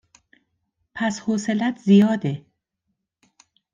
پس حوصلهات زیاده